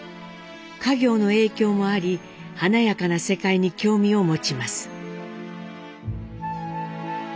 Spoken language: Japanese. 家業の影響もあり華やかな世界に興味を持ちます。